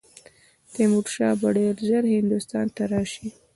تیمور شاه به ډېر ژر هندوستان ته راشي.